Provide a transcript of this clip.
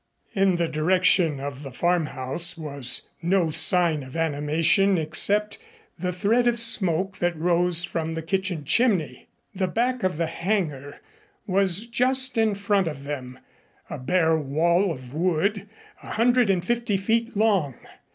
In the direction of the farmhouse was no sign of animation except the thread of smoke that rose from the kitchen chimney. The back of the hangar was just in front of them, a bare wall of wood, a hundred and fifty feet long.